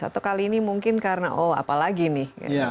atau kali ini mungkin karena oh apalagi nih